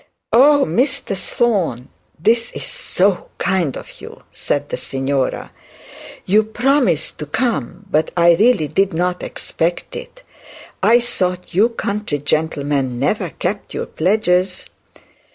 'Oh, Mr Thorne, this is so kind of you!' said the signora. 'You promised to come; but I really did not expect it. I thought you country gentlemen never kept your pledges.'